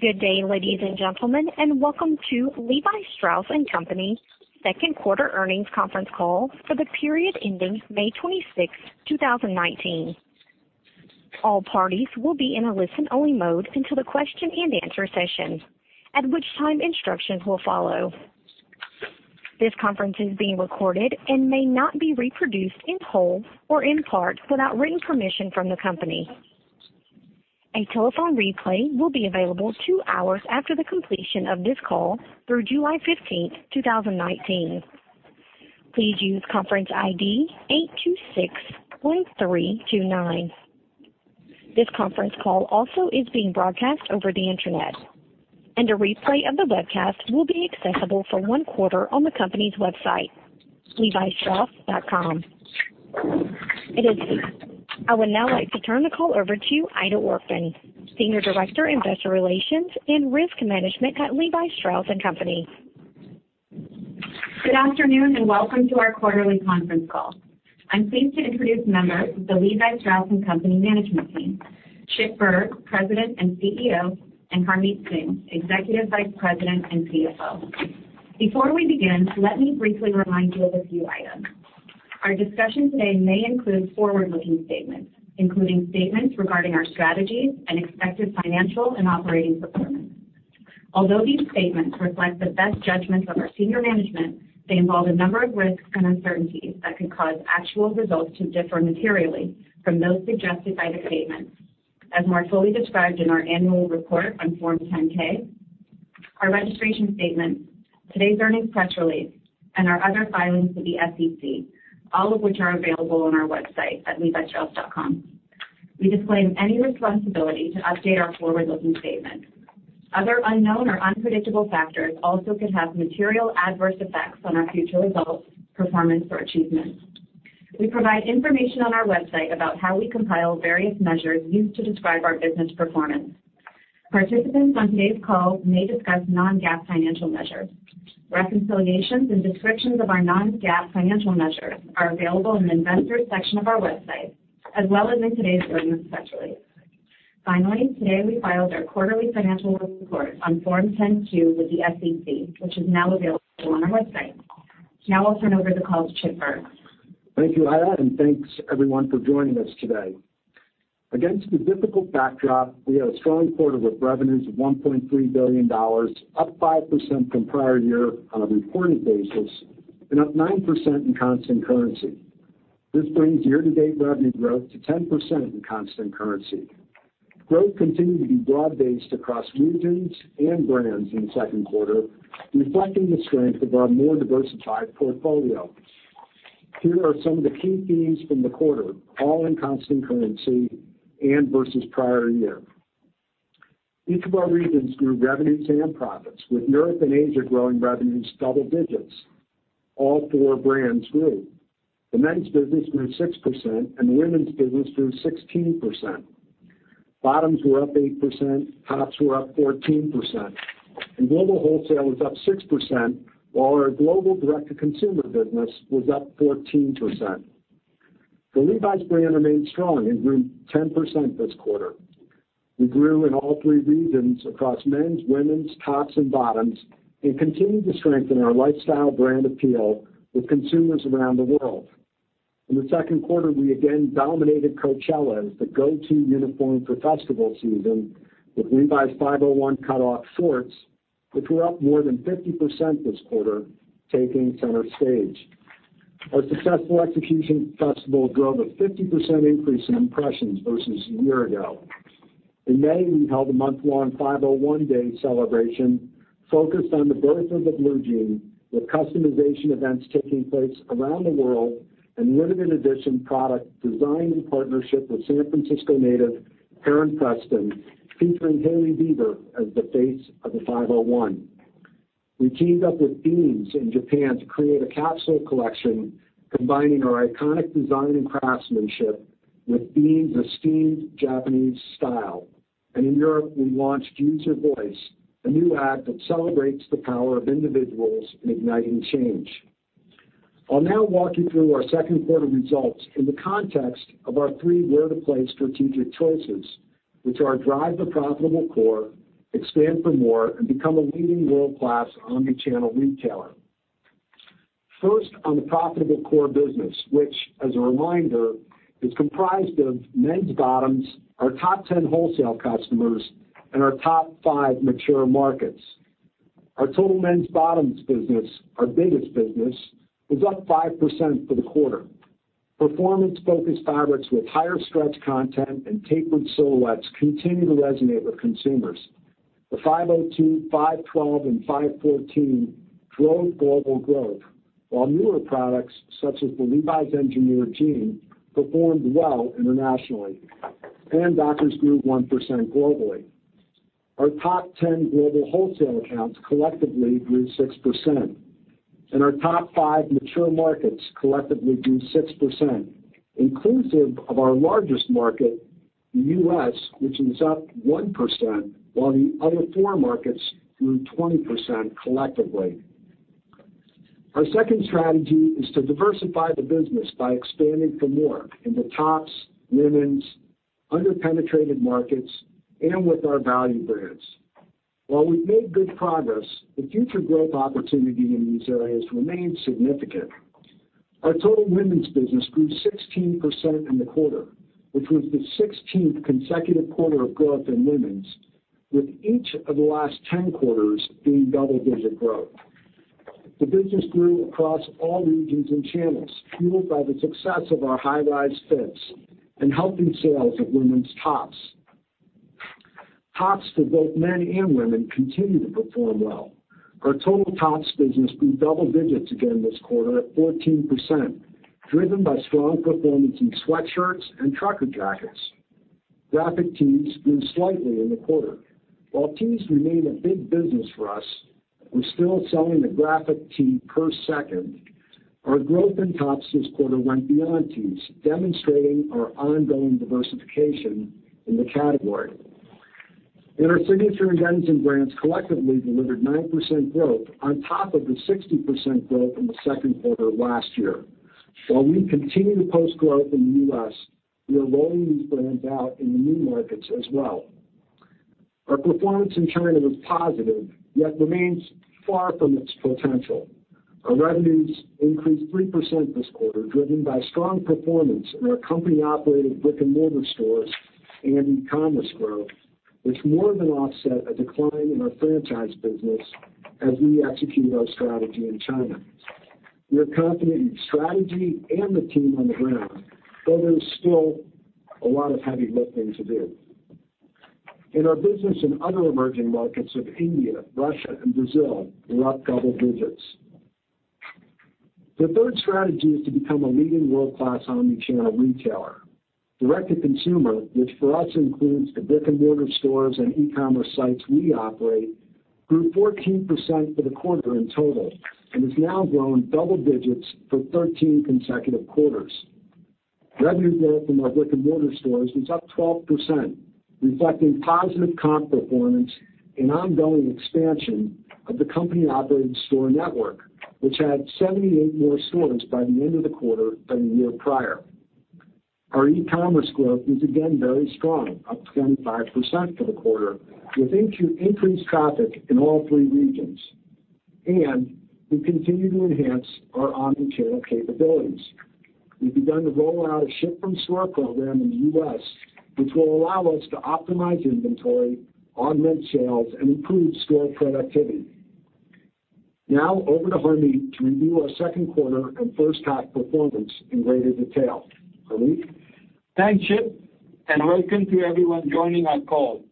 Good day, ladies and gentlemen, and welcome to Levi Strauss & Co. second quarter earnings conference call for the period ending May 26th, 2019. All parties will be in a listen-only mode until the question and answer session, at which time instructions will follow. This conference is being recorded and may not be reproduced in whole or in part without written permission from the company. A telephone replay will be available two hours after the completion of this call through July 15th, 2019. Please use conference ID 826.329. This conference call also is being broadcast over the internet, and a replay of the webcast will be accessible for one quarter on the company's website, levistrauss.com. At this time, I would now like to turn the call over to Aida Orphan, Senior Director, Investor Relations and Risk Management at Levi Strauss & Co. Good afternoon, and welcome to our quarterly conference call. I'm pleased to introduce members of the Levi Strauss & Co. management team, Chip Bergh, President and CEO, and Harmit Singh, Executive Vice President and CFO. Before we begin, let me briefly remind you of a few items. Our discussion today may include forward-looking statements, including statements regarding our strategies and expected financial and operating performance. Although these statements reflect the best judgments of our senior management, they involve a number of risks and uncertainties that could cause actual results to differ materially from those suggested by the statements. As more fully described in our annual report on Form 10-K, our registration statement, today's earnings press release, and our other filings with the SEC, all of which are available on our website at levistrauss.com. We disclaim any responsibility to update our forward-looking statements. Other unknown or unpredictable factors also could have material adverse effects on our future results, performance, or achievements. We provide information on our website about how we compile various measures used to describe our business performance. Participants on today's call may discuss non-GAAP financial measures. Reconciliations and descriptions of our non-GAAP financial measures are available in the Investors section of our website, as well as in today's earnings press release. Finally, today we filed our quarterly financial report on Form 10-Q with the SEC, which is now available on our website. Now I'll turn over the call to Chip Bergh. Thank you, Aida. Thanks everyone for joining us today. Against a difficult backdrop, we had a strong quarter with revenues of $1.3 billion, up 5% from prior year on a reported basis and up 9% in constant currency. This brings year-to-date revenue growth to 10% in constant currency. Growth continued to be broad-based across regions and brands in the second quarter, reflecting the strength of our more diversified portfolio. Here are some of the key themes from the quarter, all in constant currency and versus prior year. Each of our regions grew revenues and profits, with Europe and Asia growing revenues double digits. All four brands grew. The men's business grew 6%, and the women's business grew 16%. Bottoms were up 8%, tops were up 14%, and global wholesale was up 6%, while our global direct-to-consumer business was up 14%. The Levi's brand remained strong and grew 10% this quarter. We grew in all three regions across men's, women's, tops, and bottoms and continued to strengthen our lifestyle brand appeal with consumers around the world. In the second quarter, we again dominated Coachella as the go-to uniform for festival season with Levi's 501 cutoff shorts, which were up more than 50% this quarter, taking center stage. Our successful execution festival drove a 50% increase in impressions versus a year ago. In May, we held a month-long 501 Day celebration focused on the birth of the blue jean with customization events taking place around the world and limited edition product design and partnership with San Francisco native Heron Preston, featuring Hailey Bieber as the face of the 501. We teamed up with BEAMS in Japan to create a capsule collection combining our iconic design and craftsmanship with BEAMS' esteemed Japanese style. In Europe, we launched Use Your Voice, a new ad that celebrates the power of individuals in igniting change. I'll now walk you through our second quarter results in the context of our three where-to-play strategic choices, which are drive the profitable core, expand for more, and become a leading world-class omni-channel retailer. First, on the profitable core business, which, as a reminder, is comprised of men's bottoms, our top 10 wholesale customers, and our top five mature markets. Our total men's bottoms business, our biggest business, was up 5% for the quarter. Performance-focused fabrics with higher stretch content and tapered silhouettes continue to resonate with consumers. The 502, 512, and 514 drove global growth, while newer products, such as the Levi's Engineered Jeans, performed well internationally. Dockers grew 1% globally. Our top 10 global wholesale accounts collectively grew 6%, and our top five mature markets collectively grew 6%, inclusive of our largest market, the U.S., which was up 1%, while the other four markets grew 20% collectively. Our second strategy is to diversify the business by expanding for more into tops, women's, under-penetrated markets, and with our value brands. While we've made good progress, the future growth opportunity in these areas remains significant. Our total women's business grew 16% in the quarter, which was the 16th consecutive quarter of growth in women's, with each of the last 10 quarters being double-digit growth. The business grew across all regions and channels, fueled by the success of our high rise fits and helping sales of women's tops. Tops for both men and women continue to perform well. Our total tops business grew double digits again this quarter at 14%, driven by strong performance in sweatshirts and trucker jackets. Graphic tees grew slightly in the quarter. While tees remain a big business for us, we're still selling a graphic tee per second. Our growth in tops this quarter went beyond tees, demonstrating our ongoing diversification in the category. Our Signature jeans and brands collectively delivered 9% growth on top of the 60% growth in the second quarter of last year. While we continue to post growth in the U.S., we are rolling these brands out in the new markets as well. Our performance in China was positive, yet remains far from its potential. Our revenues increased 3% this quarter, driven by strong performance in our company-operated brick-and-mortar stores and e-commerce growth, which more than offset a decline in our franchise business as we execute our strategy in China. We are confident in strategy and the team on the ground. There is still a lot of heavy lifting to do. In our business in other emerging markets of India, Russia, and Brazil, were up double digits. The third strategy is to become a leading world-class omni-channel retailer. Direct-to-consumer, which for us includes the brick-and-mortar stores and e-commerce sites we operate, grew 14% for the quarter in total and has now grown double digits for 13 consecutive quarters. Revenue growth in our brick-and-mortar stores was up 12%, reflecting positive comp performance and ongoing expansion of the company-operated store network, which had 78 more stores by the end of the quarter than the year prior. Our e-commerce growth was again very strong, up 25% for the quarter with increased traffic in all three regions. We continue to enhance our omni-channel capabilities. We've begun to roll out a ship-from-store program in the U.S., which will allow us to optimize inventory, augment sales, and improve store productivity. Now, over to Harmit to review our second quarter and first half performance in greater detail. Harmit? Thanks, Chip, and welcome to everyone joining our call.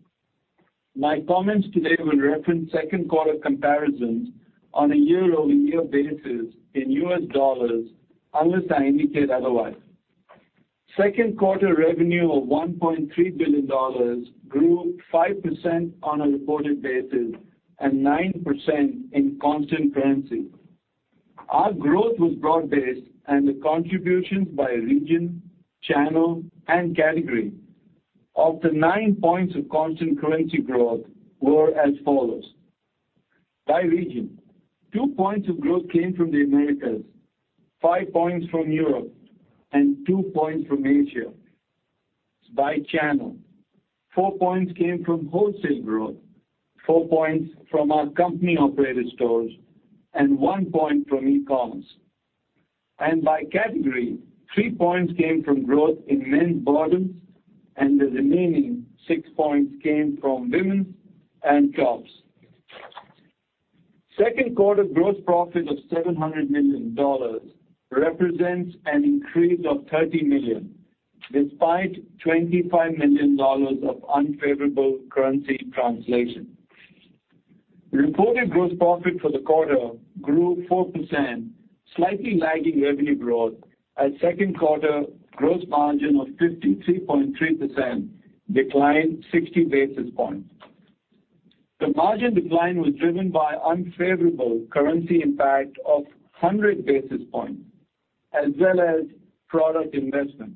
My comments today will reference second quarter comparisons on a year-over-year basis in U.S. dollars, unless I indicate otherwise. Second quarter revenue of $1.3 billion grew 5% on a reported basis and 9% in constant currency. Our growth was broad-based and the contributions by region, channel, and category of the nine points of constant currency growth were as follows. By region, two points of growth came from the Americas, five points from Europe, and two points from Asia. By channel, four points came from wholesale growth, four points from our company-operated stores, and one point from e-commerce. By category, three points came from growth in men's bottoms, and the remaining six points came from women's and tops. Second quarter gross profit of $700 million represents an increase of $30 million, despite $25 million of unfavorable currency translation. Reported gross profit for the quarter grew 4%, slightly lagging revenue growth at second quarter gross margin of 53.3%, decline 60 basis points. The margin decline was driven by unfavorable currency impact of 100 basis points, as well as product investment.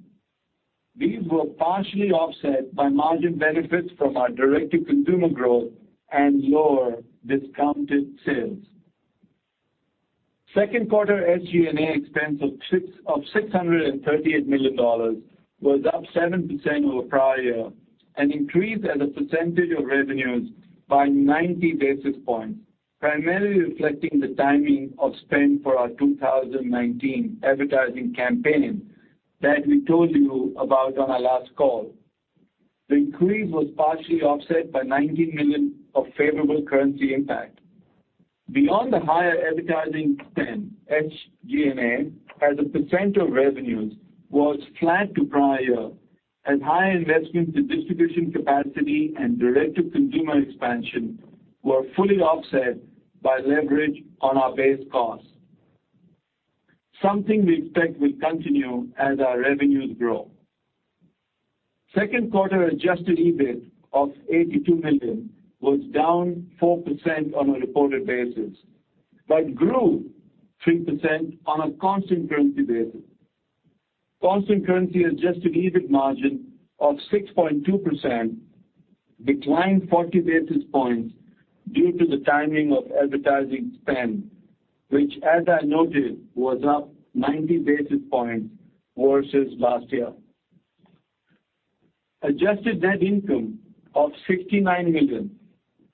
These were partially offset by margin benefits from our direct-to-consumer growth and lower discounted sales. Second quarter SG&A expense of $638 million was up 7% over prior and increased as a percentage of revenues by 90 basis points, primarily reflecting the timing of spend for our 2019 advertising campaign that we told you about on our last call. The increase was partially offset by $19 million of favorable currency impact. Beyond the higher advertising spend, SG&A as a percent of revenues was flat to prior, as high investments in distribution capacity and direct-to-consumer expansion were fully offset by leverage on our base cost. Something we expect will continue as our revenues grow. Second quarter adjusted EBIT of $82 million was down 4% on a reported basis, but grew 3% on a constant currency basis. Constant currency adjusted EBIT margin of 6.2% declined 40 basis points due to the timing of advertising spend, which as I noted, was up 90 basis points versus last year. Adjusted net income of $69 million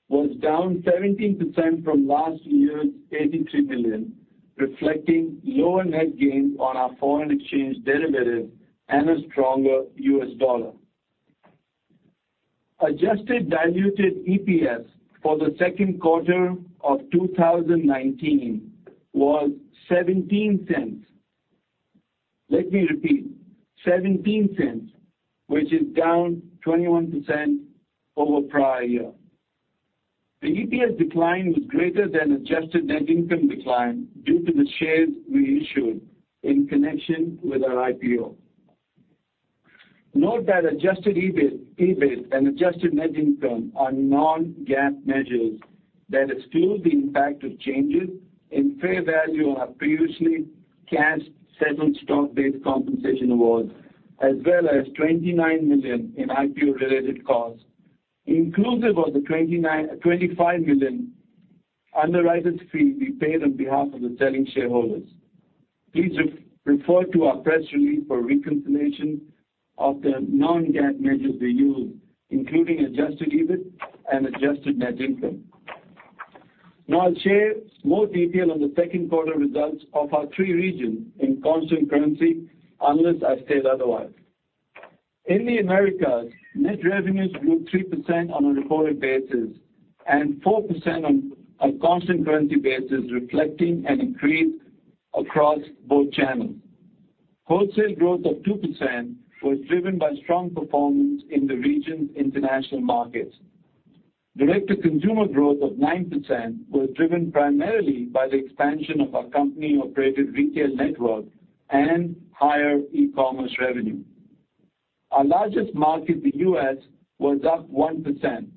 was down 17% from last year's $83 million, reflecting lower net gains on our foreign exchange derivatives and a stronger U.S. dollar. Adjusted diluted EPS for the second quarter of 2019 was $0.17. Let me repeat, $0.17, which is down 21% over prior year. The EPS decline was greater than adjusted net income decline due to the shares re-issued in connection with our IPO. Note that adjusted EBIT and adjusted net income are non-GAAP measures that exclude the impact of changes in fair value on our previously cash-settled stock-based compensation awards, as well as $29 million in IPO related costs. Inclusive of the $25 million underwriter fee we paid on behalf of the selling shareholders. Please refer to our press release for a reconciliation of the non-GAAP measures we use, including adjusted EBIT and adjusted net income. I'll share more detail on the second quarter results of our three regions in constant currency, unless I state otherwise. In the Americas, net revenues grew 3% on a reported basis and 4% on a constant currency basis, reflecting an increase across both channels. Wholesale growth of 2% was driven by strong performance in the region's international markets. Direct-to-consumer growth of 9% was driven primarily by the expansion of our company-operated retail network and higher e-commerce revenue. Our largest market, the U.S., was up 1%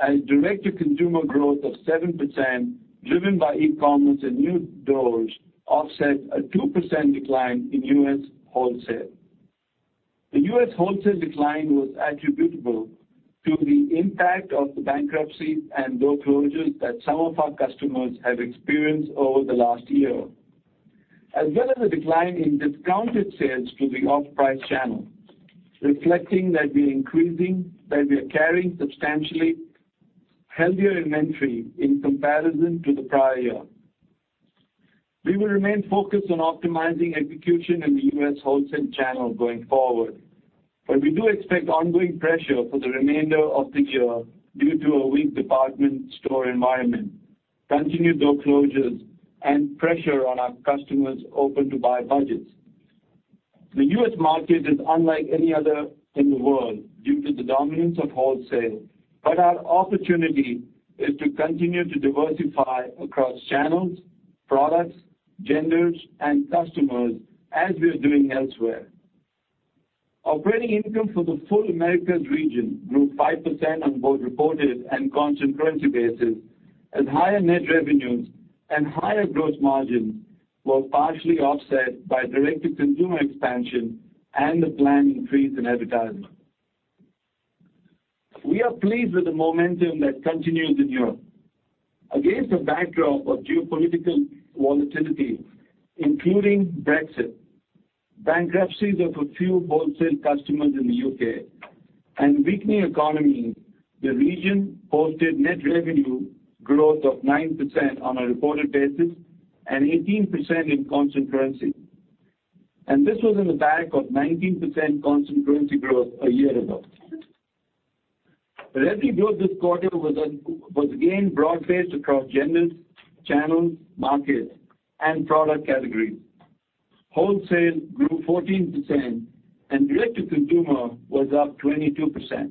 as direct-to-consumer growth of 7%, driven by e-commerce and new doors, offset a 2% decline in U.S. wholesale. The U.S. wholesale decline was attributable to the impact of the bankruptcies and door closures that some of our customers have experienced over the last year. As well as a decline in discounted sales through the off-price channel, reflecting that we are carrying substantially healthier inventory in comparison to the prior year. We will remain focused on optimizing execution in the U.S. wholesale channel going forward, but we do expect ongoing pressure for the remainder of the year due to a weak department store environment, continued door closures, and pressure on our customers' open-to-buy budgets. The U.S. market is unlike any other in the world due to the dominance of wholesale, our opportunity is to continue to diversify across channels, products, genders, and customers as we are doing elsewhere. Operating income for the full Americas region grew 5% on both reported and constant currency basis, as higher net revenues and higher gross margins were partially offset by direct-to-consumer expansion and the planned increase in advertising. We are pleased with the momentum that continues in Europe. Against a backdrop of geopolitical volatility, including Brexit, bankruptcies of a few wholesale customers in the U.K., and weakening economies, the region posted net revenue growth of 9% on a reported basis and 18% in constant currency. This was on the back of 19% constant currency growth a year ago. Revenue growth this quarter was again broad-based across genders, channels, markets, and product categories. Wholesale grew 14%. Direct-to-consumer was up 22%.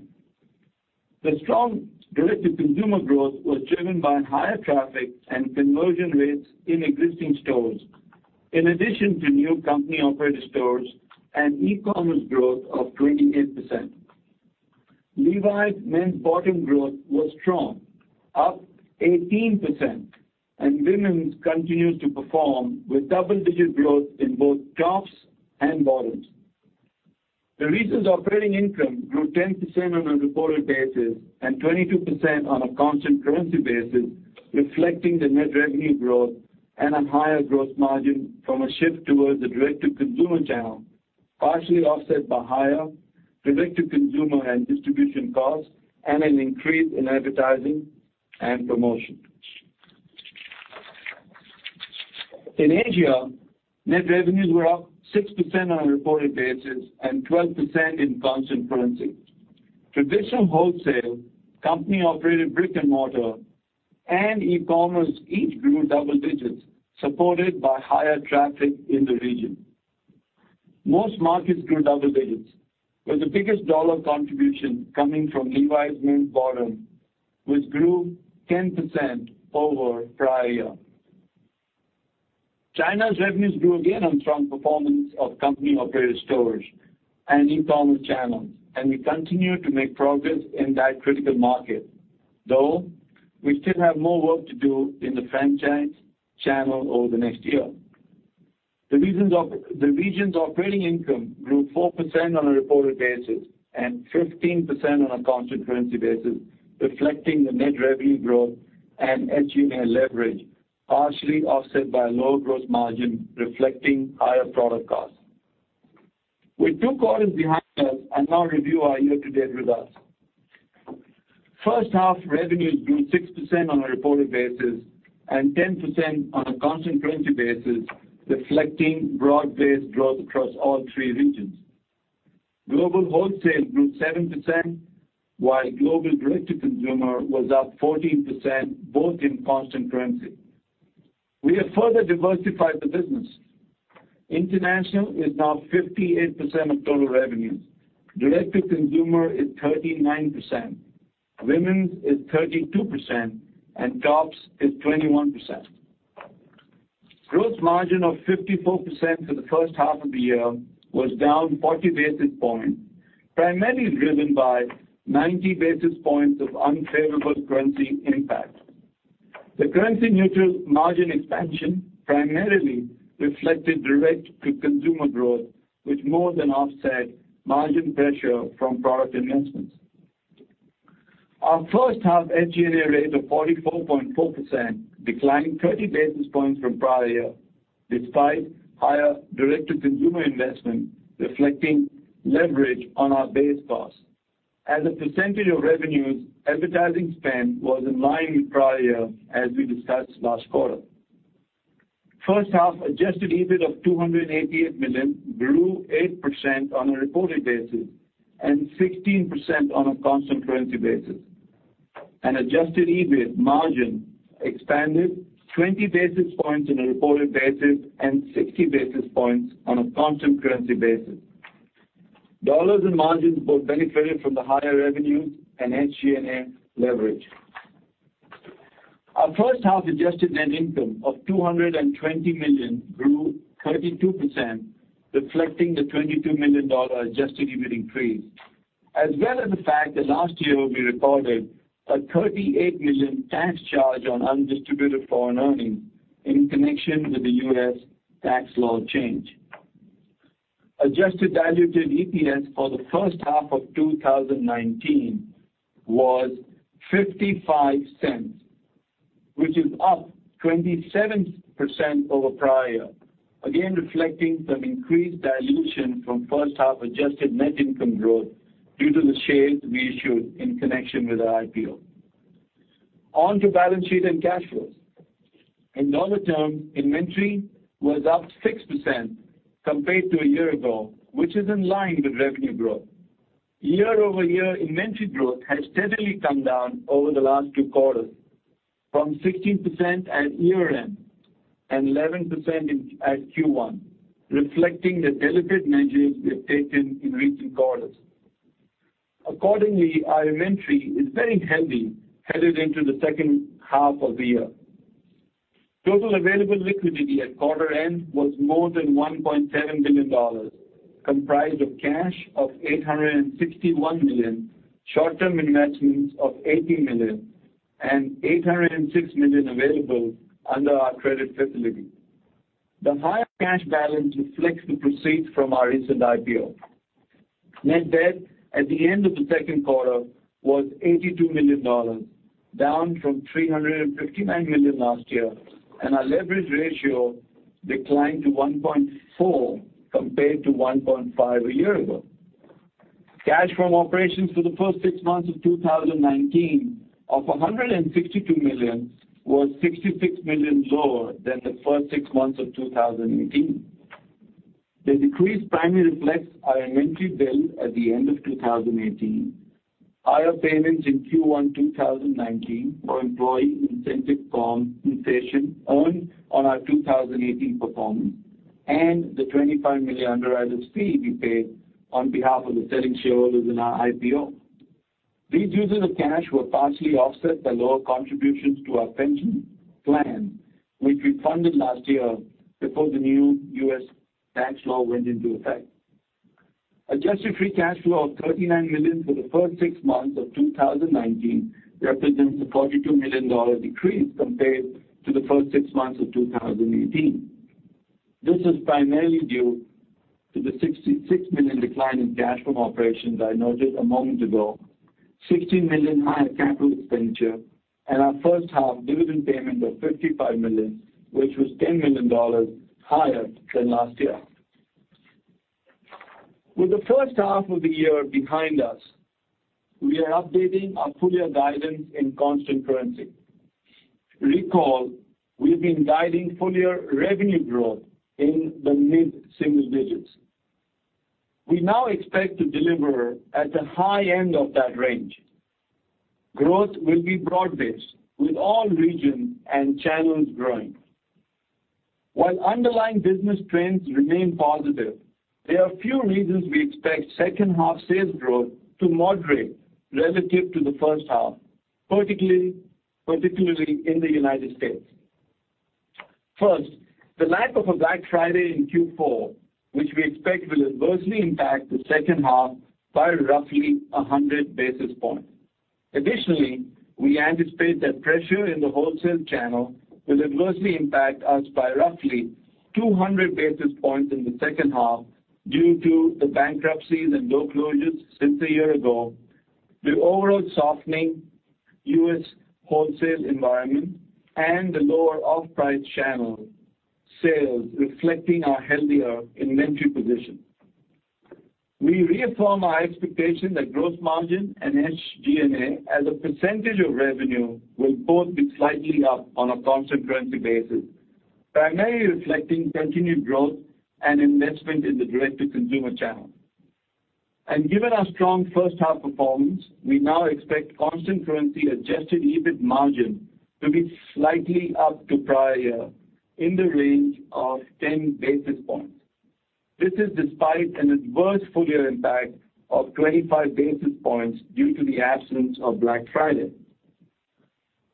The strong direct-to-consumer growth was driven by higher traffic and conversion rates in existing stores. In addition to new company-operated stores and e-commerce growth of 28%. Levi's men's bottom growth was strong, up 18%, and women's continued to perform with double-digit growth in both tops and bottoms. The region's operating income grew 10% on a reported basis and 22% on a constant currency basis, reflecting the net revenue growth and a higher gross margin from a shift towards the direct-to-consumer channel, partially offset by higher direct-to-consumer and distribution costs and an increase in advertising and promotion. In Asia, net revenues were up 6% on a reported basis and 12% in constant currency. Traditional wholesale, company-operated brick and mortar, and e-commerce each grew double digits, supported by higher traffic in the region. Most markets grew double digits, with the biggest dollar contribution coming from Levi's men's bottom, which grew 10% over prior year. China's revenues grew again on strong performance of company-operated stores and e-commerce channels. We continue to make progress in that critical market. Though we still have more work to do in the franchise channel over the next year. The regions' operating income grew 4% on a reported basis and 15% on a constant currency basis, reflecting the net revenue growth and SG&A leverage, partially offset by lower gross margin reflecting higher product costs. With two quarters behind us, I'll now review our year-to-date results. First half revenues grew 6% on a reported basis and 10% on a constant currency basis, reflecting broad-based growth across all three regions. Global wholesale grew 7%, while global direct-to-consumer was up 14%, both in constant currency. We have further diversified the business. International is now 58% of total revenues. Direct-to-consumer is 39%. Women's is 32%, and tops is 21%. Gross margin of 54% for the first half of the year was down 40 basis points, primarily driven by 90 basis points of unfavorable currency impact. The currency-neutral margin expansion primarily reflected direct-to-consumer growth, which more than offset margin pressure from product investments. Our first half SG&A ratio of 44.4%, declining 30 basis points from prior year, despite higher direct-to-consumer investment reflecting leverage on our base cost. As a percentage of revenues, advertising spend was in line with prior year, as we discussed last quarter. First half adjusted EBIT of $288 million grew 8% on a reported basis and 16% on a constant currency basis. Adjusted EBIT margin expanded 20 basis points on a reported basis and 60 basis points on a constant currency basis. Dollars and margins both benefited from the higher revenues and SG&A leverage. Our first half adjusted net income of $220 million grew 32%, reflecting the $22 million adjusted EBIT increase, as well as the fact that last year we recorded a $38 million tax charge on undistributed foreign earnings in connection with the U.S. tax law change. Adjusted diluted EPS for the first half of 2019 was $0.55, which is up 27% over prior, again reflecting some increased dilution from first half adjusted net income growth due to the shares we issued in connection with our IPO. On to balance sheet and cash flows. In dollar terms, inventory was up 6% compared to a year ago, which is in line with revenue growth. Year-over-year inventory growth has steadily come down over the last two quarters, from 16% at year-end and 11% at Q1, reflecting the deliberate measures we have taken in recent quarters. Accordingly, our inventory is very healthy headed into the second half of the year. Total available liquidity at quarter end was more than $1.7 billion, comprised of cash of $861 million, short-term investments of $80 million, and $806 million available under our credit facility. The higher cash balance reflects the proceeds from our recent IPO. Net debt at the end of the second quarter was $82 million, down from $359 million last year, and our leverage ratio declined to 1.4 compared to 1.5 a year ago. Cash from operations for the first six months of 2019 of $162 million was $66 million lower than the first six months of 2018. The decrease primarily reflects our inventory build at the end of 2018. Higher payments in Q1 2019 for employee incentive compensation earned on our 2018 performance. The $25 million underwriter fee we paid on behalf of the selling shareholders in our IPO. These uses of cash were partially offset by lower contributions to our pension plan, which we funded last year before the new U.S. tax law went into effect. Adjusted free cash flow of $39 million for the first six months of 2019 represents a $42 million decrease compared to the first six months of 2018. This is primarily due to the $66 million decline in cash from operations I noted a moment ago, $16 million higher capital expenditure, and our first half dividend payment of $55 million, which was $10 million higher than last year. With the first half of the year behind us, we are updating our full-year guidance in constant currency. Recall, we've been guiding full-year revenue growth in the mid-single digits. We now expect to deliver at the high end of that range. Growth will be broad-based, with all regions and channels growing. While underlying business trends remain positive, there are few reasons we expect second half sales growth to moderate relative to the first half, particularly in the United States. First, the lack of a Black Friday in Q4, which we expect will adversely impact the second half by roughly 100 basis points. Additionally, we anticipate that pressure in the wholesale channel will adversely impact us by roughly 200 basis points in the second half due to the bankruptcies and store closures since a year ago, the overall softening U.S. wholesale environment, and the lower off-price channel sales reflecting our healthier inventory position. We reaffirm our expectation that growth margin and SG&A as a percentage of revenue will both be slightly up on a constant currency basis, primarily reflecting continued growth and investment in the direct-to-consumer channel. Given our strong first half performance, we now expect constant currency adjusted EBIT margin to be slightly up to prior year in the range of 10 basis points. This is despite an adverse full year impact of 25 basis points due to the absence of Black Friday.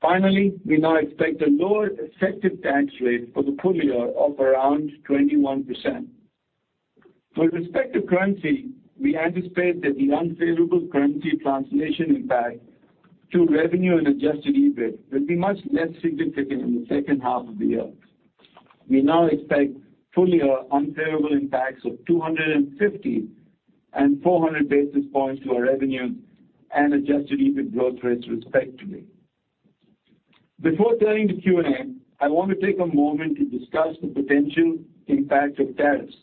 Finally, we now expect a lower effective tax rate for the full year of around 21%. With respect to currency, we anticipate that the unfavorable currency translation impact to revenue and adjusted EBIT will be much less significant in the second half of the year. We now expect full year unfavorable impacts of 250 and 400 basis points to our revenues and adjusted EBIT growth rates, respectively. Before turning to Q&A, I want to take a moment to discuss the potential impact of tariffs.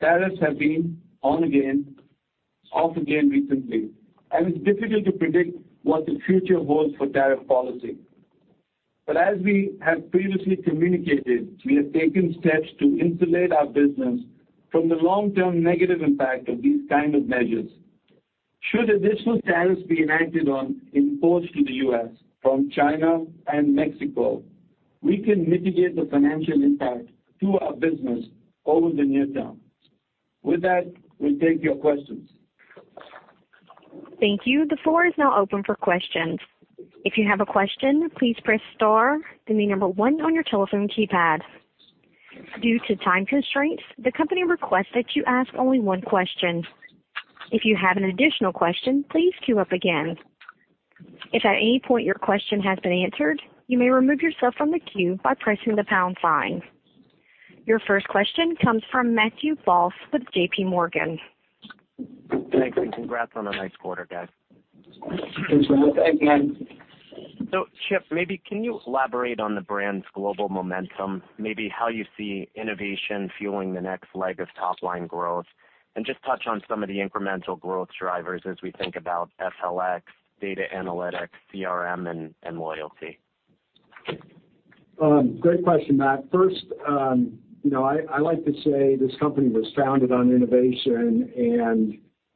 Tariffs have been on again, off again recently, and it's difficult to predict what the future holds for tariff policy. As we have previously communicated, we have taken steps to insulate our business from the long-term negative impact of these kind of measures. Should additional tariffs be enacted on imports to the U.S. from China and Mexico, we can mitigate the financial impact to our business over the near term. With that, we'll take your questions. Thank you. The floor is now open for questions. If you have a question, please press star then the number one on your telephone keypad. Due to time constraints, the company requests that you ask only one question. If you have an additional question, please queue up again. If at any point your question has been answered, you may remove yourself from the queue by pressing the pound sign. Your first question comes from Matthew Boss with JPMorgan. Thanks, congrats on a nice quarter, guys. Thanks, Matt. Chip, maybe can you elaborate on the brand's global momentum, maybe how you see innovation fueling the next leg of top-line growth, and just touch on some of the incremental growth drivers as we think about FLX, data analytics, CRM, and loyalty? Great question, Matt. First, I like to say this company was founded on innovation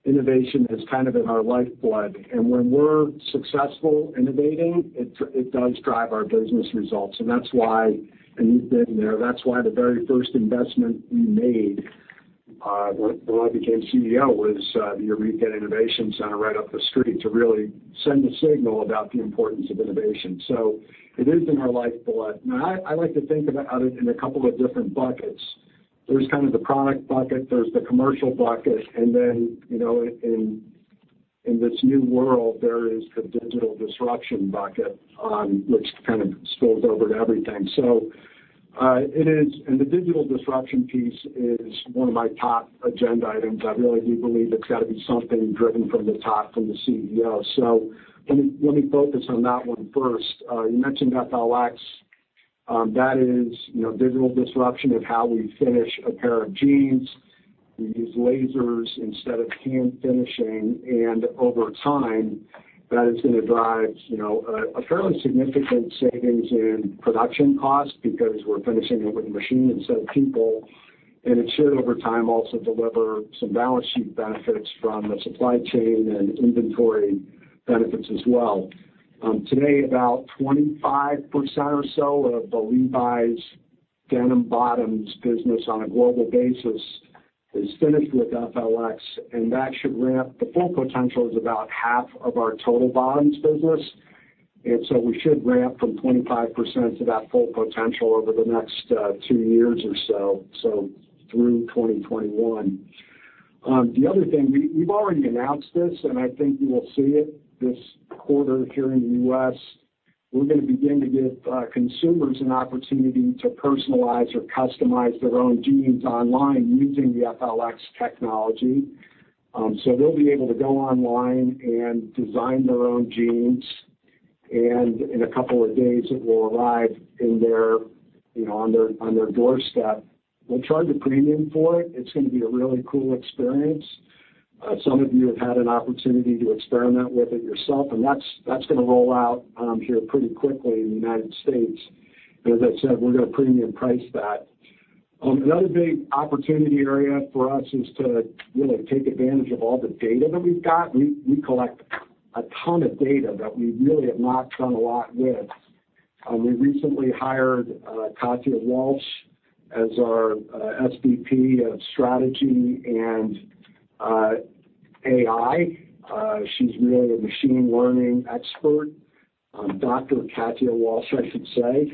is kind of in our lifeblood. When we're successful innovating, it does drive our business results. That's why, and you've been there, that's why the very first investment we made when I became CEO was the Eureka Innovation Center right up the street to really send a signal about the importance of innovation. It is in our lifeblood. Now, I like to think about it in a couple of different buckets. There's the product bucket, there's the commercial bucket, and then, in this new world, there is the digital disruption bucket, which kind of spills over to everything. The digital disruption piece is one of my top agenda items. I really do believe it's got to be something driven from the top, from the CEO. Let me focus on that one first. You mentioned FLX. That is digital disruption of how we finish a pair of jeans. We use lasers instead of hand finishing, over time, that is going to drive a fairly significant savings in production cost because we're finishing it with a machine instead of people. It should, over time, also deliver some balance sheet benefits from the supply chain and inventory benefits as well. Today, about 25% or so of the Levi's denim bottoms business on a global basis is finished with FLX. That should ramp. The full potential is about half of our total bottoms business, so we should ramp from 25% to that full potential over the next two years or so, through 2021. The other thing, we've already announced this, I think you will see it this quarter here in the U.S. We're going to begin to give consumers an opportunity to personalize or customize their own jeans online using the FLX technology. They'll be able to go online and design their own jeans, in a couple of days, it will arrive on their doorstep. We'll charge a premium for it. It's going to be a really cool experience. Some of you have had an opportunity to experiment with it yourself, that's going to roll out here pretty quickly in the United States. As I said, we're going to premium price that. Another big opportunity area for us is to really take advantage of all the data that we've got. We collect a ton of data that we really have not done a lot with. We recently hired Katia Walsh as our SVP of Strategy and AI. She's really a machine learning expert, Dr. Katia Walsh, I should say.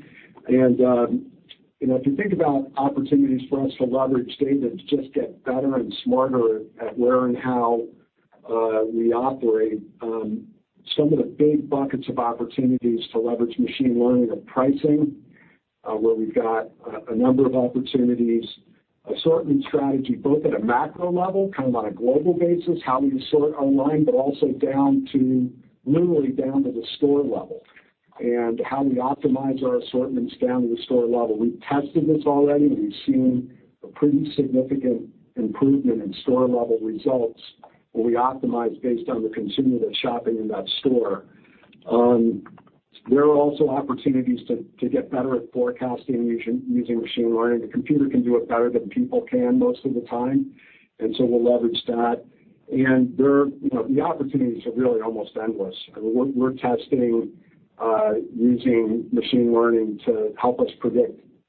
If you think about opportunities for us to leverage data to just get better and smarter at where and how we operate, some of the big buckets of opportunities to leverage machine learning are pricing, where we've got a number of opportunities. Assortment strategy, both at a macro level, on a global basis, how we assort online, but also literally down to the store level and how we optimize our assortments down to the store level. We've tested this already. We've seen a pretty significant improvement in store-level results where we optimize based on the consumer that's shopping in that store. There are also opportunities to get better at forecasting using machine learning. A computer can do it better than people can most of the time, and so we'll leverage that. The opportunities are really almost endless. We're testing using machine learning to help us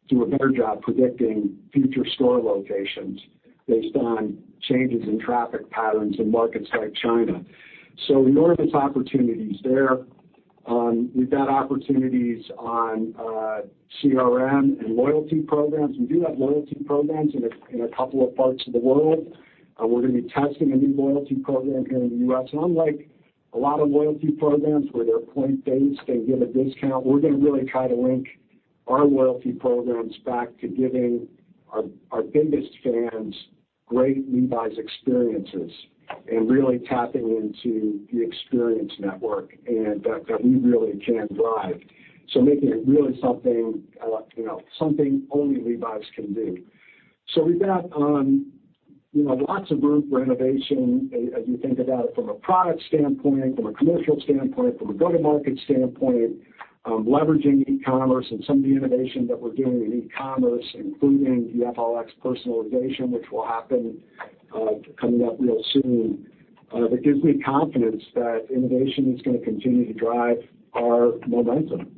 do a better job predicting future store locations based on changes in traffic patterns in markets like China. opportunities there. We've got opportunities on CRM and loyalty programs. We do have loyalty programs in a couple of parts of the world. We're going to be testing a new loyalty program here in the U.S.. Unlike a lot of loyalty programs where they're point-based and get a discount, we're going to really try to link our loyalty programs back to giving our biggest fans great Levi's experiences and really tapping into the experience network, and that we really can drive. Making it really something only Levi's can do. We've got lots of room for innovation as you think about it from a product standpoint, from a commercial standpoint, from a go-to-market standpoint. Leveraging e-commerce and some of the innovation that we're doing in e-commerce, including the FLX personalization, which will happen coming up real soon. It gives me confidence that innovation is going to continue to drive our momentum.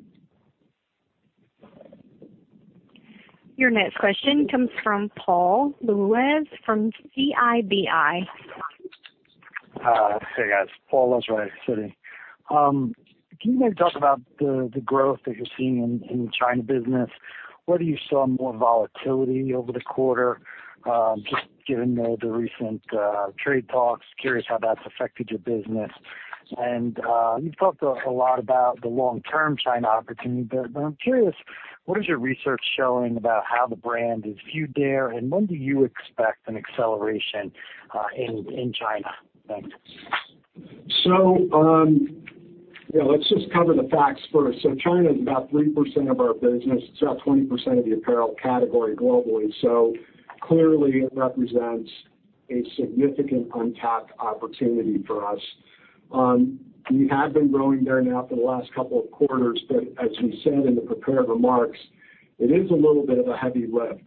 Your next question comes from Paul Lejuez from Citi. Hey, guys. Paul Lejuez. Can you maybe talk about the growth that you're seeing in the China business, whether you saw more volatility over the quarter? Just given the recent trade talks, curious how that's affected your business. You've talked a lot about the long-term China opportunity, but I'm curious, what is your research showing about how the brand is viewed there, and when do you expect an acceleration in China? Thanks. Let's just cover the facts first. China is about 3% of our business. It's about 20% of the apparel category globally. Clearly it represents a significant untapped opportunity for us. We have been growing there now for the last couple of quarters, but as we said in the prepared remarks, it is a little bit of a heavy lift.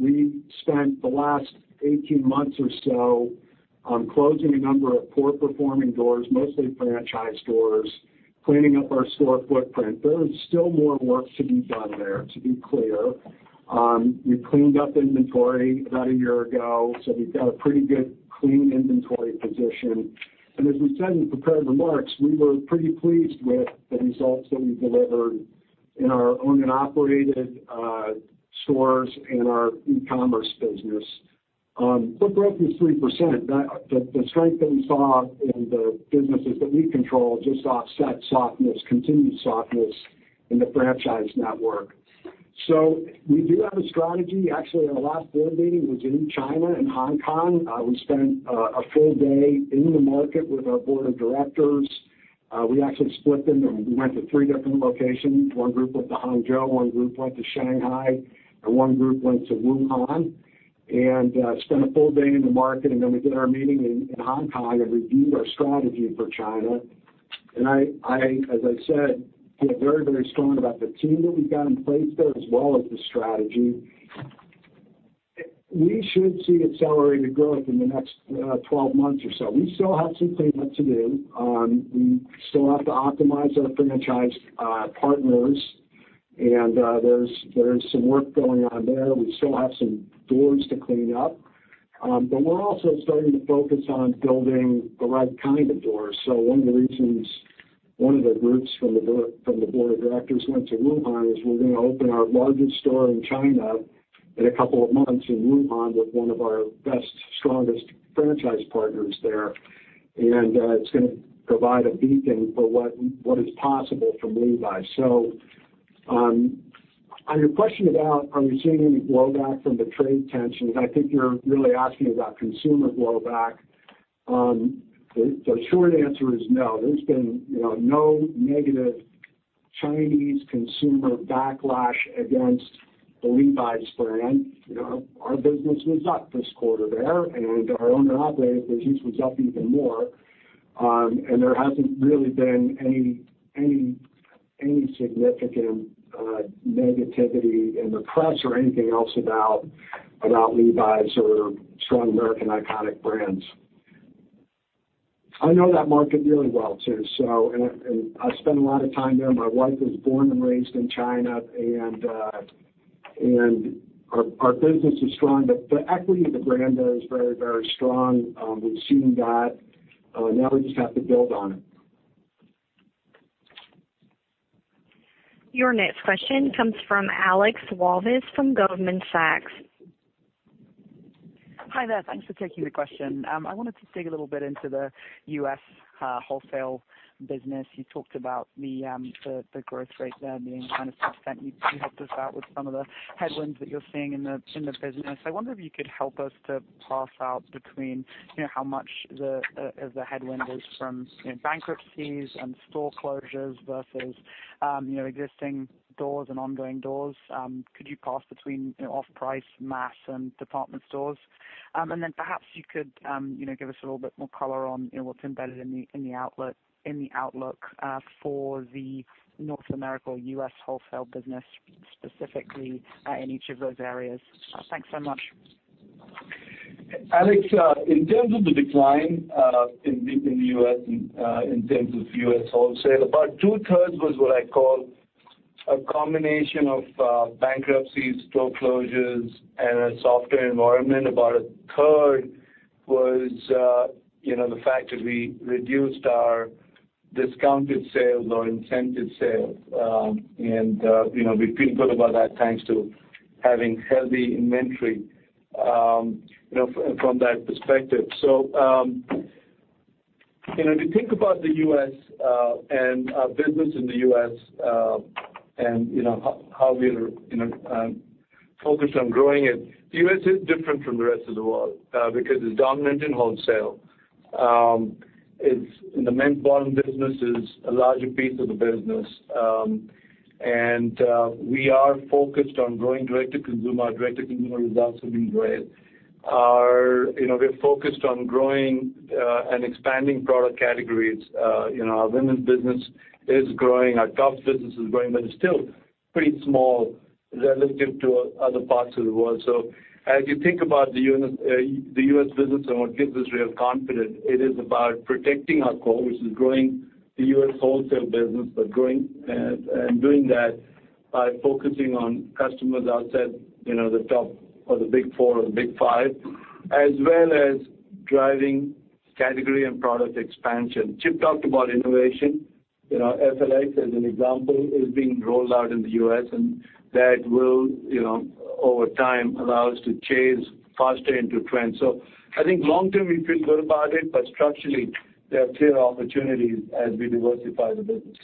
We spent the last 18 months or so on closing a number of poor performing doors, mostly franchise doors, cleaning up our store footprint. There is still more work to be done there, to be clear. We cleaned up inventory about a year ago, so we've got a pretty good clean inventory position. As we said in the prepared remarks, we were pretty pleased with the results that we delivered in our owned and operated stores and our e-commerce business. Growth was 3%. The strength that we saw in the businesses that we control just offset continued softness in the franchise network. We do have a strategy. Actually, our last board meeting was in China and Hong Kong. We spent a full day in the market with our board of directors. We actually split them and we went to three different locations. One group went to Hangzhou, one group went to Shanghai, and one group went to Wuhan and spent a full day in the market. Then we did our meeting in Hong Kong and reviewed our strategy for China. As I said, feel very strong about the team that we've got in place there as well as the strategy. We should see accelerated growth in the next 12 months or so. We still have some cleanup to do. We still have to optimize our franchise partners, and there's some work going on there. We still have some doors to clean up. We're also starting to focus on building the right kind of doors. One of the reasons one of the groups from the board of directors went to Wuhan is we're going to open our largest store in China in a couple of months in Wuhan with one of our best, strongest franchise partners there. It's going to provide a beacon for what is possible for Levi's. On your question about are we seeing any blowback from the trade tensions, I think you're really asking about consumer blowback. The short answer is no. There's been no negative Chinese consumer backlash against the Levi's brand. Our business was up this quarter there, and our owned and operated business was up even more. There hasn't really been any significant negativity in the press or anything else about Levi's or strong American iconic brands. I know that market really well too. I spend a lot of time there. My wife was born and raised in China. Our business is strong. The equity of the brand there is very strong. We've seen that. Now we just have to build on it. Your next question comes from Alex Walvis from Goldman Sachs. Hi there. Thanks for taking the question. I wanted to dig a little bit into the U.S. wholesale business. You talked about the growth rate there being -2%. You helped us out with some of the headwinds that you're seeing in the business. I wonder if you could help us to parse out between how much of the headwind is from bankruptcies and store closures versus existing doors and ongoing doors. Could you parse between off-price, mass, and department stores? Perhaps you could give us a little bit more color on what's embedded in the outlook for the North America or U.S. wholesale business, specifically in each of those areas? Thanks so much. Alex, in terms of the decline in the U.S., in terms of U.S. wholesale, about 2/3 was what I call a combination of bankruptcies, store closures, and a softer environment. About 1/3 was the fact that we reduced our discounted sales or incentive sales. We feel good about that, thanks to having healthy inventory from that perspective. To think about the U.S. and our business in the U.S., and how we are focused on growing it, the U.S. is different from the rest of the world because it's dominant in wholesale. The men's bottom business is a larger piece of the business. We are focused on growing direct-to-consumer. Direct-to-consumer results have been great. We're focused on growing and expanding product categories. Our women's business is growing, our tops business is growing, but it's still pretty small relative to other parts of the world. As you think about the U.S. business and what gives us real confidence, it is about protecting our core, which is growing the U.S. wholesale business, but doing that by focusing on customers outside the top or the Big Four or the Big Five, as well as driving category and product expansion. Chip talked about innovation. FLX, as an example, is being rolled out in the U.S., and that will, over time, allow us to chase faster into trends. I think long term, we feel good about it, but structurally, there are clear opportunities as we diversify the business.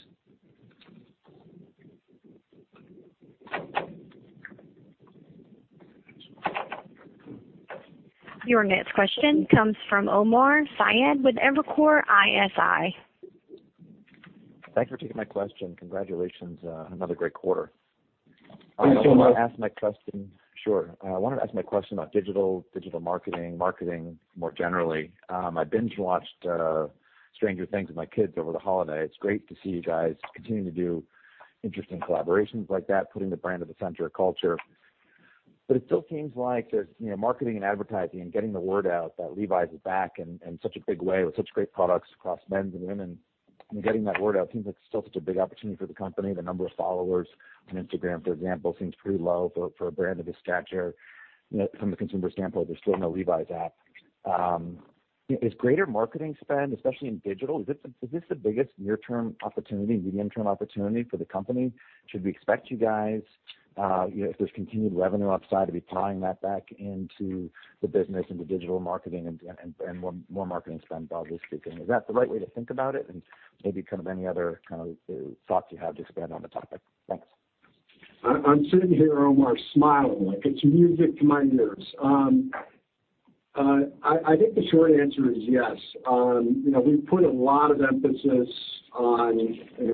Your next question comes from Omar Saad with Evercore ISI. Thanks for taking my question. Congratulations on another great quarter. I wanted to ask my question about digital marketing more generally. My binge-watched "Stranger Things" with my kids over the holiday. It's great to see you guys continue to do interesting collaborations like that, putting the brand at the center of culture. It still seems like there's marketing and advertising and getting the word out that Levi's is back in such a big way with such great products across men's and women's. Getting that word out seems like it's still such a big opportunity for the company. The number of followers on Instagram, for example, seems pretty low for a brand of this stature. From the consumer standpoint, there's still no Levi's app. Is greater marketing spend, especially in digital, is this the biggest near-term opportunity, medium-term opportunity for the company? Should we expect you guys, if there's continued revenue upside, to be tying that back into the business, into digital marketing and more marketing spend broadly speaking? Is that the right way to think about it? Maybe any other thoughts you have to expand on the topic? Thanks. I'm sitting here, Omar, smiling. It's music to my ears. I think the short answer is yes. We put a lot of emphasis on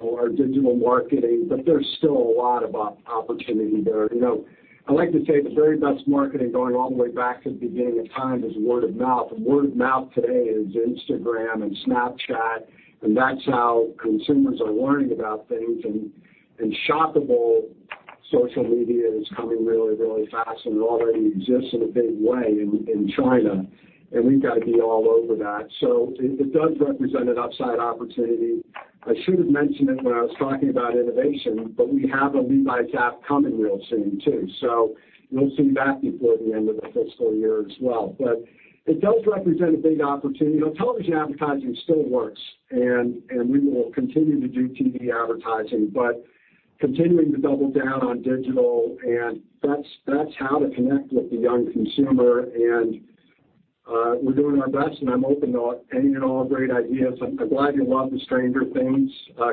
our digital marketing, but there's still a lot of opportunity there. I like to say the very best marketing going all the way back to the beginning of time is word of mouth. Word of mouth today is Instagram and Snapchat, and that's how consumers are learning about things. Shoppable social media is coming really fast, and it already exists in a big way in China. We've got to be all over that. It does represent an upside opportunity. I should have mentioned it when I was talking about innovation, but we have a Levi's app coming real soon, too. You'll see that before the end of the fiscal year as well. It does represent a big opportunity. Television advertising still works, we will continue to do TV advertising. Continuing to double down on digital, that's how to connect with the young consumer. We're doing our best, and I'm open to any and all great ideas. I'm glad you love the "Stranger Things"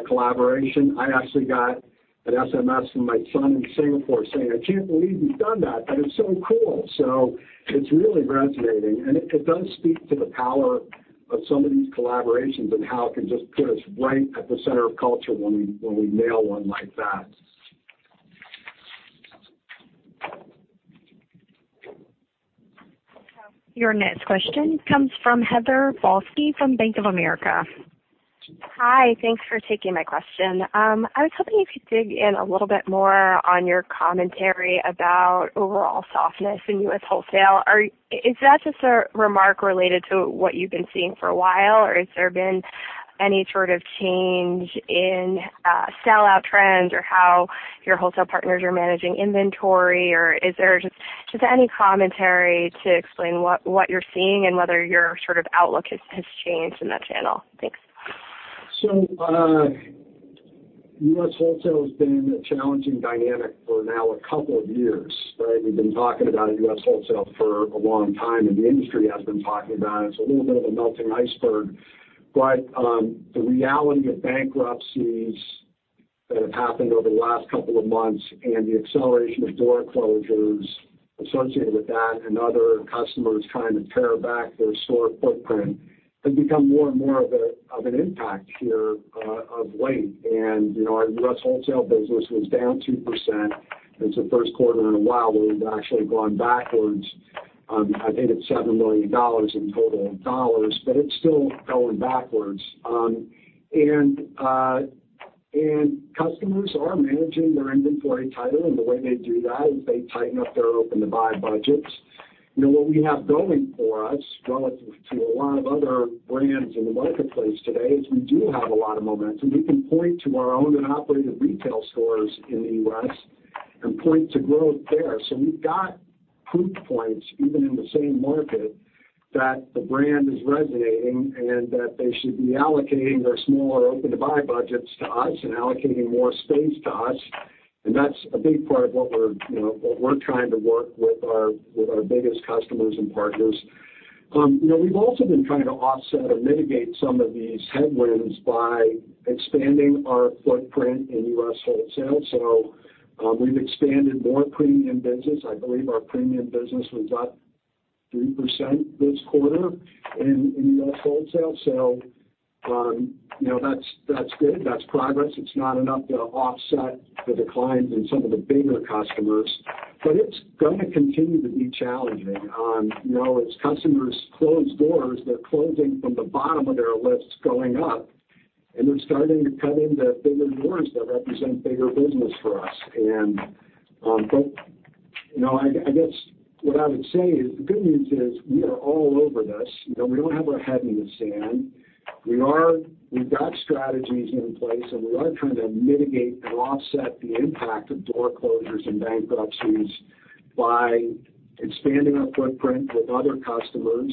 collaboration. I actually got an SMS from my son in Singapore saying, "I can't believe you've done that. That is so cool." It's really resonating, and it does speak to the power of some of these collaborations and how it can just put us right at the center of culture when we nail one like that. Your next question comes from Heather Balsky from Bank of America. Thanks for taking my question. I was hoping you could dig in a little bit more on your commentary about overall softness in U.S. wholesale. Is that just a remark related to what you've been seeing for a while, or has there been any sort of change in sellout trends or how your wholesale partners are managing inventory? Just any commentary to explain what you're seeing and whether your sort of outlook has changed in that channel? Thanks. U.S. wholesale has been a challenging dynamic for now a couple of years, right? We've been talking about U.S. wholesale for a long time, and the industry has been talking about it. It's a little bit of a melting iceberg. The reality of bankruptcies that have happened over the last couple of months and the acceleration of door closures associated with that and other customers trying to pare back their store footprint, has become more and more of an impact here of late. Our U.S. wholesale business was down 2%. It's the first quarter in a while where we've actually gone backwards. I think it's $7 million in total dollars, but it's still going backwards. Customers are managing their inventory tighter, and the way they do that is they tighten up their open-to-buy budgets. What we have going for us relative to a lot of other brands in the marketplace today is we do have a lot of momentum. We can point to our owned and operated retail stores in the U.S. and point to growth there. We've got proof points, even in the same market, that the brand is resonating and that they should be allocating their smaller open-to-buy budgets to us and allocating more space to us. That's a big part of what we're trying to work with our biggest customers and partners. We've also been trying to offset or mitigate some of these headwinds by expanding our footprint in U.S. wholesale. We've expanded more premium business. I believe our premium business was up 3% this quarter in U.S. wholesale. That's good. That's progress. It's not enough to offset the declines in some of the bigger customers. It's going to continue to be challenging. As customers close doors, they're closing from the bottom of their lists going up, and they're starting to cut into bigger doors that represent bigger business for us. I guess what I would say is, the good news is we are all over this. We don't have our head in the sand. We've got strategies in place, and we are trying to mitigate and offset the impact of door closures and bankruptcies by expanding our footprint with other customers,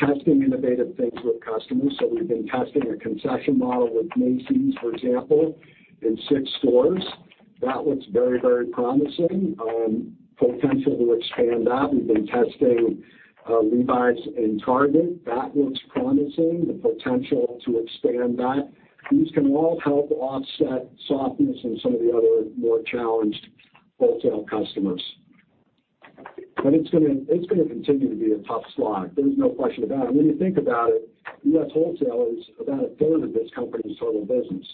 testing innovative things with customers. We've been testing a concession model with Macy's, for example, in six stores. That looks very promising. Potential to expand that. We've been testing Levi's in Target. That looks promising. The potential to expand that. These can all help offset softness in some of the other more challenged wholesale customers. It's going to continue to be a tough slog. There's no question about it. When you think about it, U.S. wholesale is about a third of this company's total business.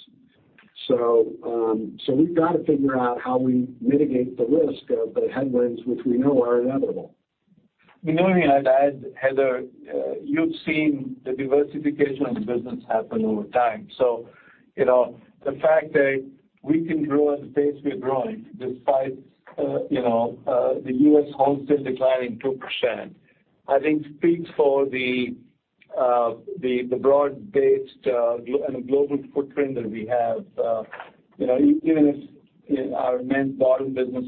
We've got to figure out how we mitigate the risk of the headwinds, which we know are inevitable. If you don't mind I'd add, Heather, you've seen the diversification of the business happen over time. The fact that we can grow at the pace we are growing despite the U.S. wholesale declining 2%, I think speaks for the broad-based and global footprint that we have. Even if our men's bottom business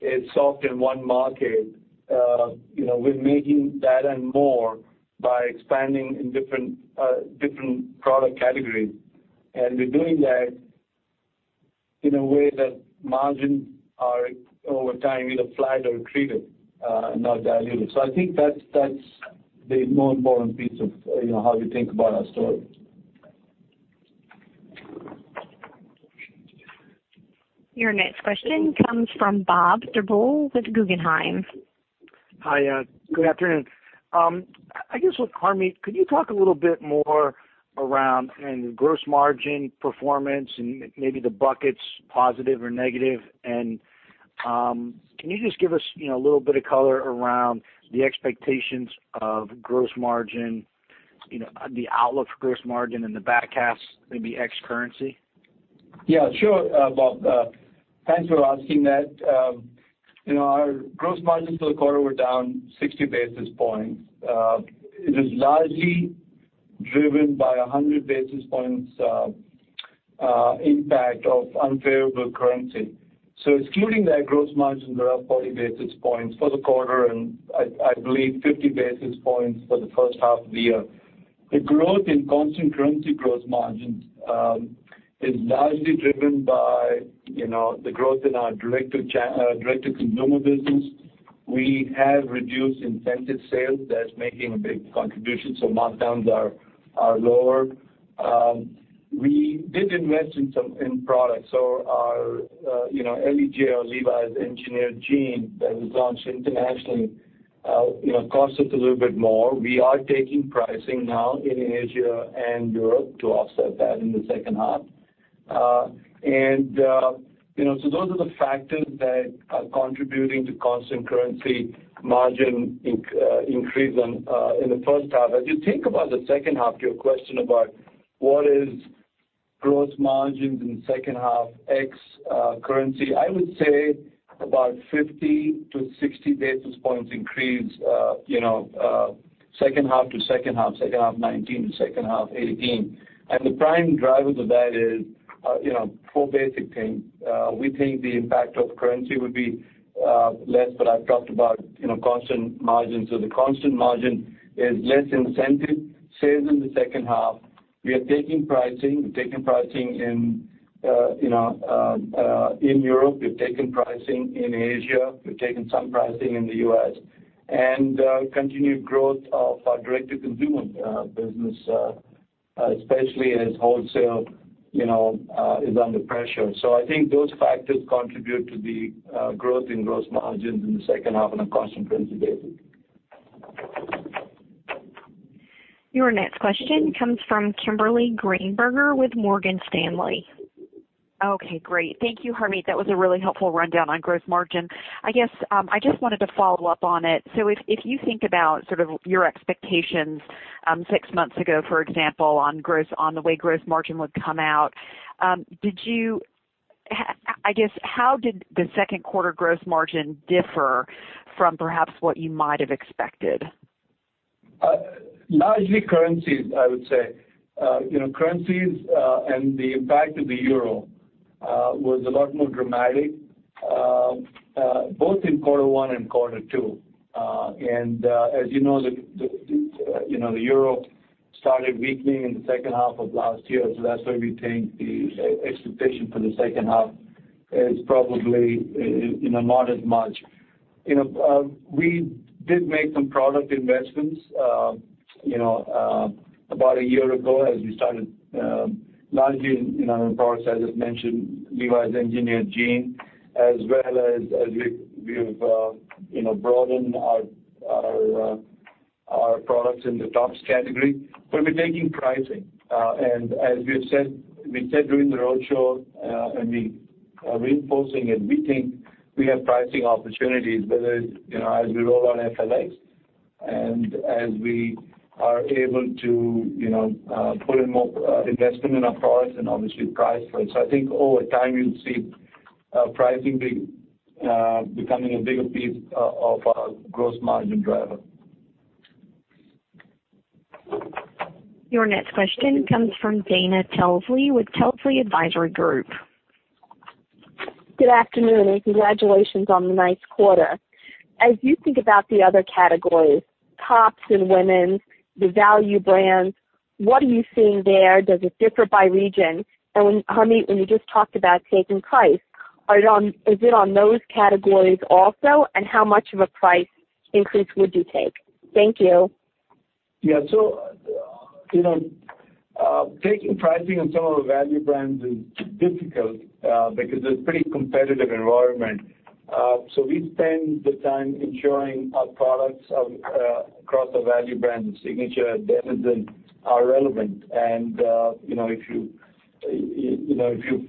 is soft in one market, we're making that and more by expanding in different product categories. We're doing that in a way that margins are over time either flat or accretive, not dilutive. I think that's the more important piece of how you think about our story. Your next question comes from Bob Drbul with Guggenheim. Good afternoon. I guess with Harmit, could you talk a little bit more around gross margin performance and maybe the buckets, positive or negative? Can you just give us a little bit of color around the expectations of gross margin, the outlook for gross margin in the back half, maybe ex currency? Sure Bob. Thanks for asking that. Our gross margins for the quarter were down 60 basis points. It is largely driven by 100 basis points impact of unfavorable currency. Excluding that gross margin, they're up 40 basis points for the quarter and I believe 50 basis points for the first half of the year. The growth in constant currency gross margins is largely driven by the growth in our direct-to-consumer business. We have reduced incentive sales. That's making a big contribution, so markdowns are lower. We did invest in products. Our LEJ, our Levi's Engineered Jean, that was launched internationally cost us a little bit more. We are taking pricing now in Asia and Europe to offset that in the second half. Those are the factors that are contributing to constant currency margin increase in the first half. As you think about the second half, your question about what is gross margins in second half X currency, I would say about 50-60 basis points increase, second half to second half, second half 2019 to second half 2018. The prime driver to that is four basic things. We think the impact of currency would be less, but I've talked about constant margins. The constant margin is less incentive sales in the second half. We are taking pricing. We're taking pricing in Europe, we've taken pricing in Asia, we've taken some pricing in the U.S.. Continued growth of our direct-to-consumer business, especially as wholesale is under pressure. I think those factors contribute to the growth in gross margins in the second half on a constant currency basis. Your next question comes from Kimberly Greenberger with Morgan Stanley. Thank you, Harmit. That was a really helpful rundown on gross margin. I guess, I just wanted to follow up on it. If you think about sort of your expectations six months ago, for example, on the way gross margin would come out, I guess, how did the second quarter gross margin differ from perhaps what you might have expected? Largely currencies, I would say. Currencies, the impact of the euro was a lot more dramatic both in quarter one and quarter two. As you know, the euro started weakening in the second half of last year, that's why we think the expectation for the second half is probably not as much. We did make some product investments about a year ago as we started launching products, as I just mentioned, Levi's Engineered Jeans, as well as we've broadened our products in the tops category. We're taking pricing. As we said during the roadshow, and we are reinforcing it, we think we have pricing opportunities, whether as we roll out FLX and as we are able to put in more investment in our products and obviously price for it. I think over time you'll see pricing becoming a bigger piece of our gross margin driver. Your next question comes from Dana Telsey with Telsey Advisory Group. Good afternoon, and congratulations on the nice quarter. As you think about the other categories, tops and women's, the value brands, what are you seeing there? Does it differ by region? Harmit, when you just talked about taking price, is it on those categories also, and how much of a price increase would you take? Thank you. Taking pricing on some of the value brands is difficult because it's a pretty competitive environment. We spend the time ensuring our products across the value brand, Signature, Denizen, are relevant. If you've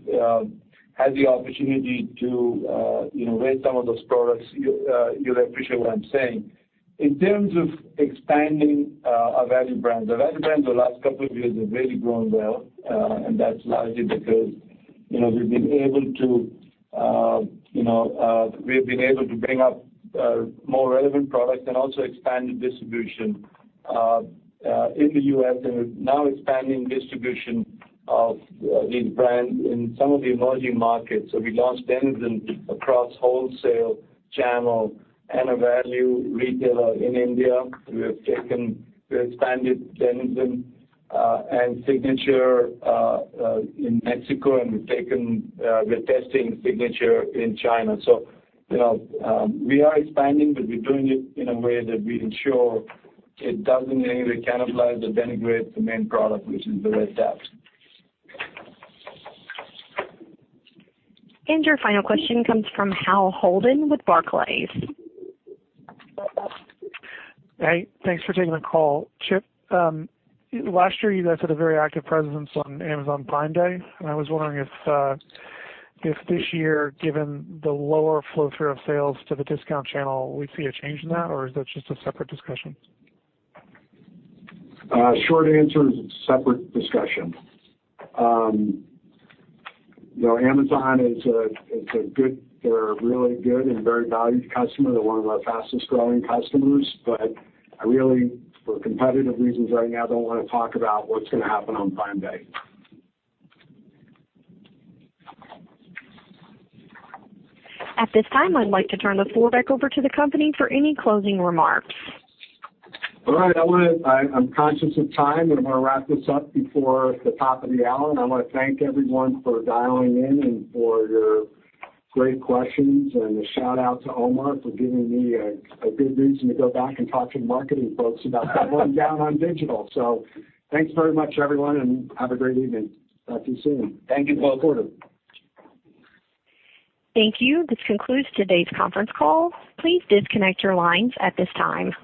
had the opportunity to wear some of those products, you'll appreciate what I'm saying. In terms of expanding our value brands. The value brands the last couple of years have really grown well, and that's largely because we've been able to bring up more relevant products and also expand the distribution in the U.S. and we're now expanding distribution of these brands in some of the emerging markets. We launched Denizen across wholesale channel and a value retailer in India. We have expanded Denizen and Signature in Mexico, and we're testing Signature in China. We are expanding, but we're doing it in a way that we ensure it doesn't really cannibalize or denigrate the main product, which is the Red Tab. Your final question comes from Hale Holden with Barclays. Thanks for taking the call. Chip, last year you guys had a very active presence on Amazon Prime Day. I was wondering if this year, given the lower flow-through of sales to the discount channel, we'd see a change in that, or is that just a separate discussion? Short answer is it's a separate discussion. Amazon, they're a really good and very valued customer. They're one of our fastest growing customers. I really, for competitive reasons right now, don't want to talk about what's gonna happen on Prime Day. At this time, I'd like to turn the floor back over to the company for any closing remarks. All right. I'm conscious of time. I'm gonna wrap this up before the top of the hour. I want to thank everyone for dialing in and for your great questions. A shout-out to Omar for giving me a good reason to go back and talk to the marketing folks about that rundown on digital. Thanks very much, everyone, and have a great evening. Talk to you soon. Thank you. Fourth quarter. Thank you. This concludes today's conference call. Please disconnect your lines at this time.